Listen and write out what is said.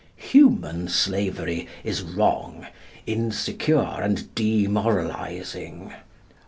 Human slavery is wrong, insecure, and demoralising.